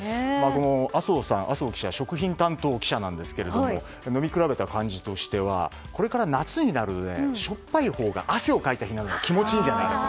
麻生記者は食品担当記者なんですが飲み比べた感じとしてはこれから夏になるうえしょっぱいほうが汗をかいた日などは気持ちいんじゃないかと。